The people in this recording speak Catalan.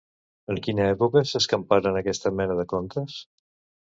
En quina època s'escamparen aquesta mena de contes?